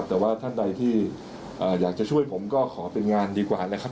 แต่ว่าท่านใดที่อยากจะช่วยผมก็ขอเป็นงานดีกว่านะครับ